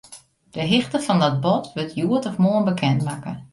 De hichte fan dat bod wurdt hjoed of moarn bekendmakke.